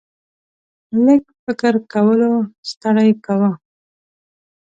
لږ فکر کولو ستړی کاوه.